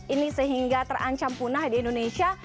ini sehingga terancam punah di indonesia